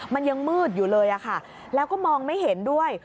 มันยังมืดอยู่เลยค่ะแล้วก็มองไม่เห็นด้วย